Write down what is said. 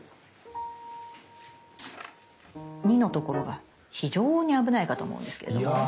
２のところが非常に危ないかと思うんですけれどもね。